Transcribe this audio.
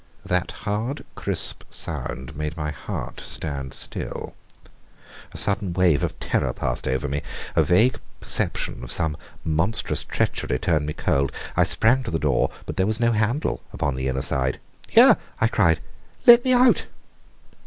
That hard crisp sound made my heart stand still. A sudden wave of terror passed over me. A vague perception of some monstrous treachery turned me cold. I sprang to the door, but there was no handle upon the inner side. "Here!" I cried. "Let me out!"